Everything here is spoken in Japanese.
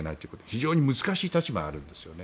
非常に難しい立場にあるんですよね。